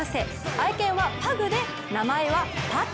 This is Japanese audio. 愛犬はパグで、名前はぱて。